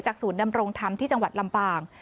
ศูนย์ดำรงธรรมที่จังหวัดลำปาง